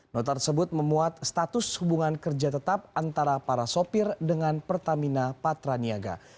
nota tersebut memuat status hubungan kerja tetap antara para sopir dengan pertamina patraniaga